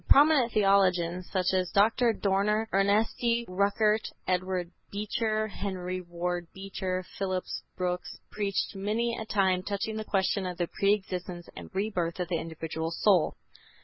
Prominent theologians, such as Dr. Dorner, Ernesti, Rückert, Edward Beecher, Henry Ward Beecher, Phillips Brooks, preached many a time touching the question of the pre existence and rebirth of the individual soul.